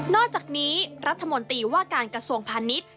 อกจากนี้รัฐมนตรีว่าการกระทรวงพาณิชย์